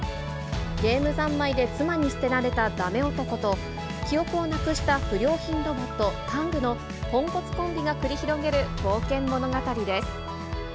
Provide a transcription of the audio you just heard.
ゲーム三昧で妻に捨てられただめ男と、記憶をなくした不良品ロボット、タングのポンコツコンビが繰り広げる冒険物語です。